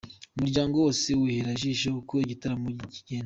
Umuryango wose wihera ijisho uko igitaramo kigenda.